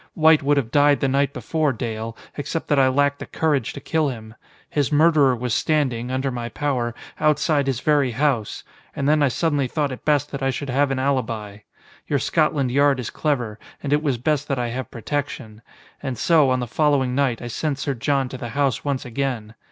White would have died the night before, Dale, except that I lacked the courage to kill him. His murderer was standing, under my power, outside his very house and then I suddenly thought it best that I should have an alibi. Your Scotland Yard is clever, and it was best that I have protection. And so, on the following night, I sent Sir John to the house once again.